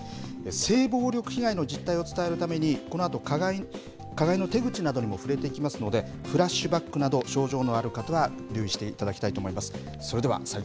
性暴力被害の実態を伝えるために、このあと加害の手口などにも触れていきますので、フラッシュバックなど、症状のある方は留意していただきたいと思います。